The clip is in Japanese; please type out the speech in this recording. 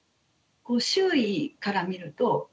周囲から見ると「あれ？